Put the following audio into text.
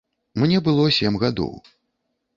Мне было сем гадоў.